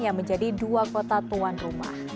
yang menjadi dua kota tuan rumah